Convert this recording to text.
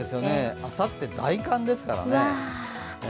あさって、大寒ですからね。